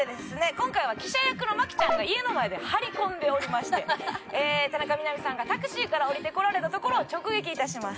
今回は記者役の麻貴ちゃんが家の前で張り込んでおりまして田中みな実さんがタクシーから降りてこられたところを直撃いたします。